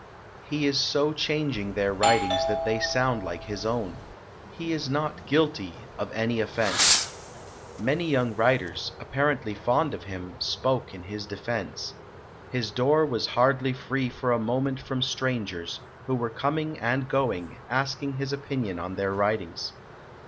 He is so chang ing their writings that they sound like his own. He is not guilty of any offense". Many young writers, apparently fond of him, spoke in his de fense. His door was hardly free for a moment from strangers, who were coming and going, ask ing his opinion on their writings.